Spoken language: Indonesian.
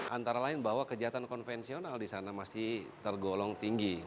antara lain bahwa kejahatan konvensional di sana masih tergolong tinggi